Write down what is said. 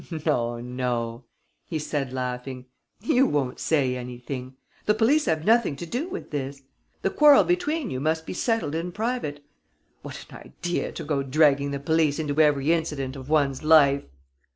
"No, no," he said, laughing, "you won't say anything! The police have nothing to do with this. The quarrel between you must be settled in private. What an idea, to go dragging the police into every incident of one's life!"